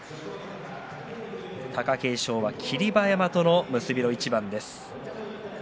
貴景勝は霧馬山との結びの一番です。